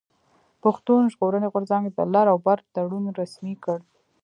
پښتون ژغورني غورځنګ د لر او بر تړون رسمي کړ.